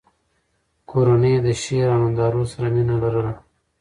کورنۍ یې د شعر او نندارو سره مینه لرله.